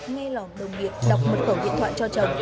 nghe lòng đồng nghiệp đọc mật khẩu điện thoại cho chồng